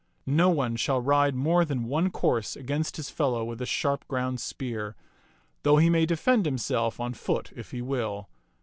No one shall ride more than one course against his fellow with a sharp ground spear; though he may defend himself on foot if he will.